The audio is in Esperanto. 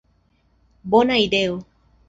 Bona ideo!